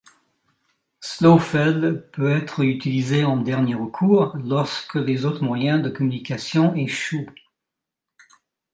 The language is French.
Slowfeld peut être utilisé en dernier recours, lorsque les autres moyens de communication échouent.